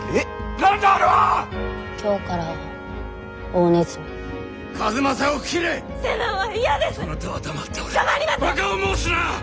バカを申すな！